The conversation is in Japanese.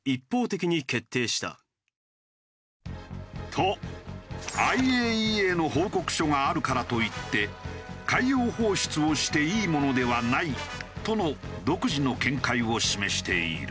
と「ＩＡＥＡの報告書があるからといって海洋放出をしていいものではない」との独自の見解を示している。